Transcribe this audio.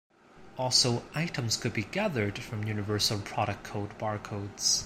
Also items could be gathered from Universal Product Code barcodes.